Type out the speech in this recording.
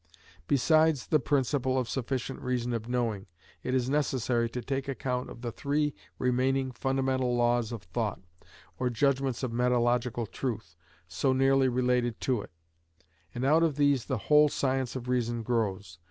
Besides the principle of sufficient reason of knowing, it is necessary to take account of the three remaining fundamental laws of thought, or judgments of metalogical truth, so nearly related to it; and out of these the whole science of reason grows.